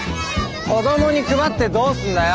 子どもに配ってどうすんだよ！